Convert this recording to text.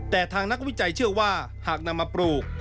แต่ทางนักวิจัยเชื่อว่าหากนำมาปลูก